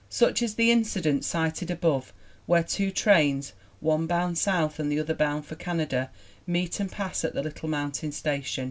Such is the incident cited above where two trains, one bound south and the other bound for Can ada, meet and pass at the little mountain station.